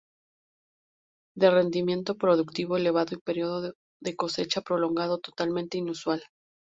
De rendimiento productivo elevado y periodo de cosecha prolongado totalmente inusual.